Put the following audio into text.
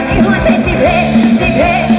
สวัสดีค่ะ